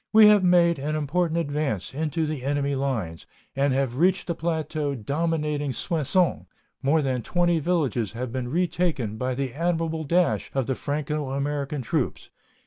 We have made an important advance into the enemy lines, and have reached the plateau dominating Soissons ... more than twenty villages have been retaken by the admirable dash of the Franco American troops....